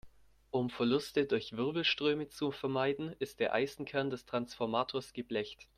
Um Verluste durch Wirbelströme zu vermeiden, ist der Eisenkern des Transformators geblecht.